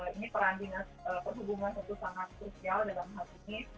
ini peran dinas perhubungan itu sangat krusial dalam hal ini